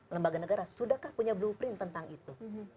lembaga negara sudahkah punya blueprint tentang itu